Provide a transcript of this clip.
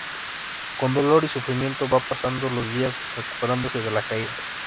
Con dolor y sufrimiento va pasando los días recuperándose de la caída.